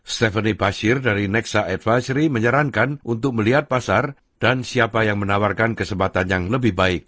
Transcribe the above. stephani bashir dari nexa advasry menyarankan untuk melihat pasar dan siapa yang menawarkan kesempatan yang lebih baik